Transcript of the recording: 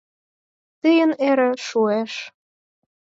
Тыйын эре «шуэш».